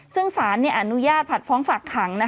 ซึ่งสารอนุญาตผัดฟ้องฝากขัง